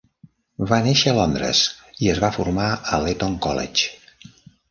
Va néixer a Londres i es va formar a l'Eton College.